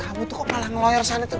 kamu tuh kok malah ngeloyor sana tuh